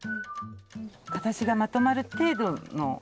形がまとまる程度の。